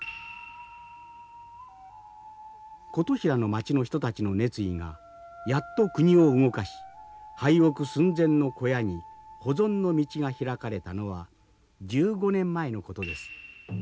琴平の町の人たちの熱意がやっと国を動かし廃屋寸前の小屋に保存の道が開かれたのは１５年前のことです。